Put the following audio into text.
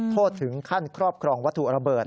โทษถึงขั้นครอบครองวัตถุระเบิด